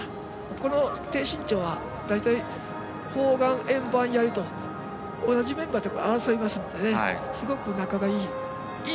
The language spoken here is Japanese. この低身長は大体、砲丸、円盤、やりと同じメンバーで争いますのですごく仲がいい。